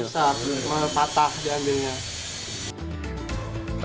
malah rusak malah patah diambilnya